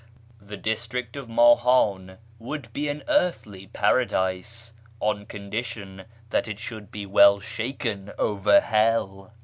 " The district of Mahdn would be an earthly paradise, On condition that it should be well shaken over hell."